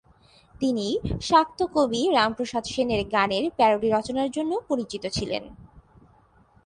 তিনি শাক্ত কবি রামপ্রসাদ সেনের গানের প্যারোডি রচনার জন্য পরিচিত ছিলেন।